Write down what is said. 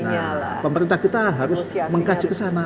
nah pemerintah kita harus mengkaji ke sana